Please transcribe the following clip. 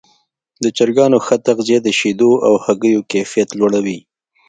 د چرګانو ښه تغذیه د شیدو او هګیو کیفیت لوړوي.